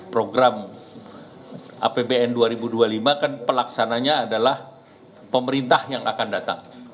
program apbn dua ribu dua puluh lima kan pelaksananya adalah pemerintah yang akan datang